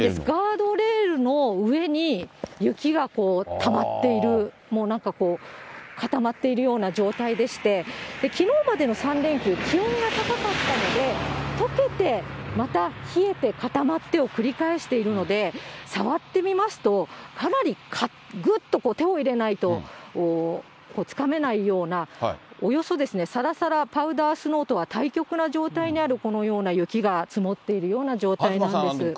ガードレールの上に雪がこう、たまっている、なんかこう、固まっているような状態でして、きのうまでの３連休、気温が高かったのでとけて、また冷えて固まってを繰り返しているので、触ってみますと、かなりぐっと手を入れないと、つかめないような、およそさらさらパウダースノーとは対極な状態にある、このような雪が積もっているような状態なんです。